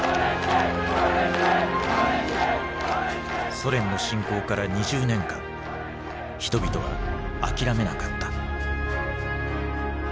ソ連の侵攻から２０年間人々は諦めなかった。